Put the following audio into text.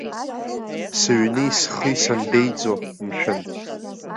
Сыҩни схи санбеиӡо, мшәан?!